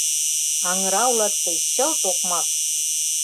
«Аҥыра улат тый, чылт окмак!